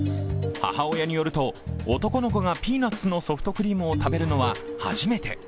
母親によると男の子がピーナッツのソフトクリームを食べるのは初めて。